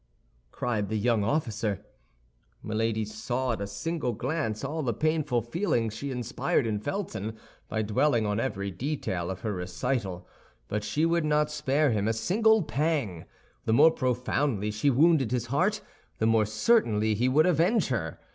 cried the young officer. Milady saw at a single glance all the painful feelings she inspired in Felton by dwelling on every detail of her recital; but she would not spare him a single pang. The more profoundly she wounded his heart, the more certainly he would avenge her.